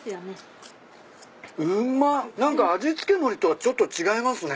何か味付けのりとはちょっと違いますね。